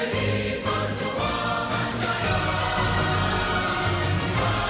tgi berjuangkan tgi berjuangkan